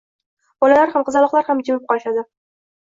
Bolalar ham, qizaloqlar ham jimib qolishadi.